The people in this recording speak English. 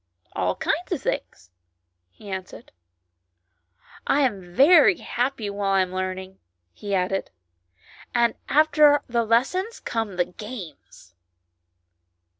" All kinds of things," he answered. " I am very happy while I am learning," he added. "And after the lessons come the games."